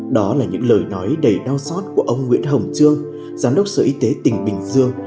đó là những lời nói đầy đau xót của ông nguyễn hồng trương giám đốc sở y tế tỉnh bình dương